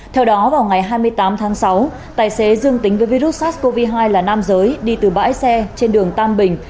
theo đó vào ngày hai mươi tám tháng sáu tài xế dương tính với virus sars cov hai là nam giới đi từ bãi xe trên đường tam bình